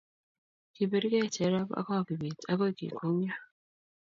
kibirgeii Cherop ago Kibet agoi kekwongyo